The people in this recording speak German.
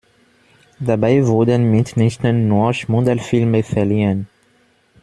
Dabei wurden mitnichten nur Schmuddelfilme verliehen.